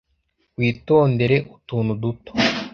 witondere utuntu duto.